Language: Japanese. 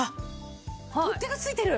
取っ手が付いてる！